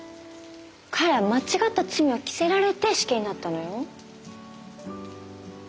彼は間違った罪を着せられて死刑になったのよ？